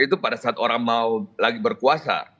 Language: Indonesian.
itu pada saat orang mau lagi berkuasa